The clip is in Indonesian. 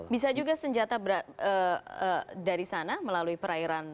bisa juga senjata dari sana melalui perairan